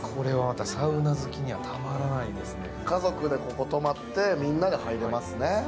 家族でここ泊まって、みんなで入れますね。